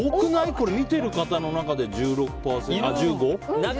これ見てる人の中で１５％。